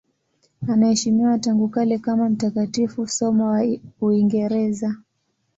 Anaheshimiwa tangu kale kama mtakatifu, somo wa Uingereza.